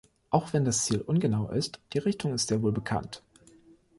Auch wenn das Ziel ungenau ist, die Richtung ist sehr wohl bekannt.